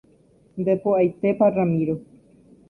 Nde po'aitépa Ramiro.